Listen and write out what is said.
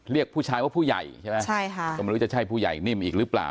เรียกผู้ชายว่าผู้ใหญ่ใช่ไหมใช่ค่ะก็ไม่รู้จะใช่ผู้ใหญ่นิ่มอีกหรือเปล่า